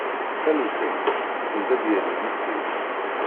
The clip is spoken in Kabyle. Tanezzayt, send ad d-yali yiṭij.